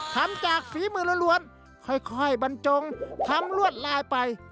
ทำจากฝีมือล้วนค่อยบรรจงทำลวดลายไป